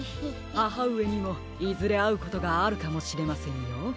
ははうえにもいずれあうことがあるかもしれませんよ。